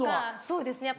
そうですね。